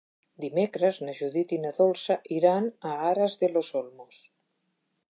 Dimecres na Judit i na Dolça iran a Aras de los Olmos.